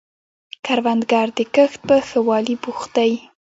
کروندګر د کښت په ښه والي بوخت دی